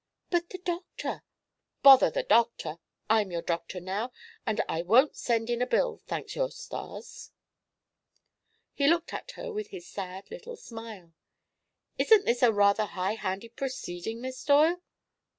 "But the doctor " "Bother the doctor! I'm your doctor, now, and I won't send in a bill, thank your stars." He looked at her with his sad little smile. "Isn't this a rather high handed proceeding, Miss Doyle?"